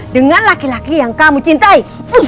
dengan laki laki yang kamu cintai